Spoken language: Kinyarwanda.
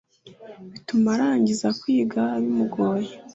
bituma arangiza kwiga bimugoye